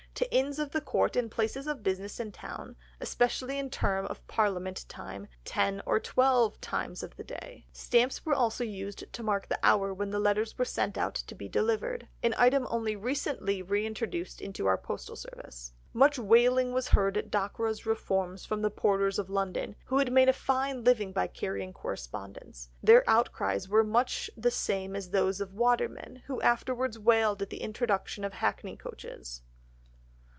To Inns of Court and Places of Business in Town, especially in term or Parliament time, ten or twelve times of the day." Stamps were also used to mark the hour when the letters were sent out to be delivered, an item only recently reintroduced into our postal service. Much wailing was heard at Dockwra's reforms from the porters of London, who had made a fine living by carrying correspondence, their outcries were much the same as those of the watermen, who afterwards wailed at the introduction of hackney coaches.